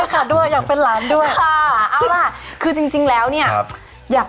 ขออนุญาตนะคะขออนุญาตเรียกคุณอาเลยนะคะ